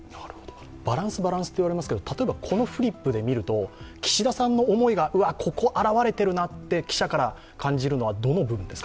バランスバランスと言われますが、例えばこのフリップで見ると岸田さんの思いが、うわ、ここ表れているなと記者から見て感じるのはどの部分ですか？